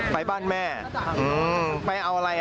ไปบ้านแม่ไปเอาอะไร